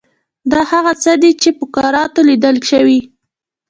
دا هغه څه دي چې په کراتو لیدل شوي.